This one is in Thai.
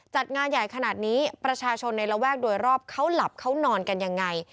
จัดงานใหญ่ขนาดนี้ประชาชนในระแวกโดยรอบเขาหลับเขานอนกันยังไง